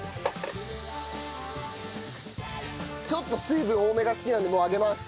ちょっと水分多めが好きなのでもう上げます。